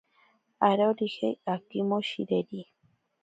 Arorijei akimoshireri.